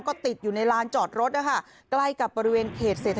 กลุ่มน้ำเบิร์ดเข้ามาร้านแล้ว